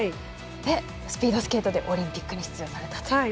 スピードスケートでオリンピックに出場されたと。